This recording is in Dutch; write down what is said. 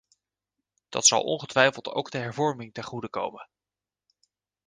Dat zal ongetwijfeld ook de hervorming ten goede komen.